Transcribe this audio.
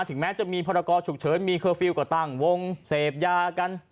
ถึงแม้จะมีพรกรฉุกเฉินมีเคอร์ฟิลล์ก็ตั้งวงเสพยากัน